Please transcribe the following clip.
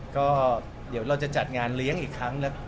ก็เดี๋ยวเราจะจัดงานเลี้ยงอีกครั้งแล้ว